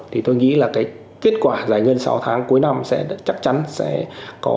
thì tôi nghĩ là cái kết quả giải ngân sáu tháng cuối năm sẽ chắc chắn sẽ có